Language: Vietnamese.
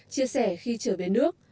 chia sẻ khi trở về nước